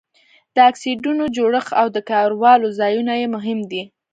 د اکسایډونو جوړښت او د کارولو ځایونه یې مهم دي.